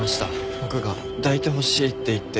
僕が抱いてほしいって言って。